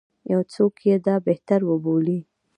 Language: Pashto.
یو څوک یې دا بهتر وبولي.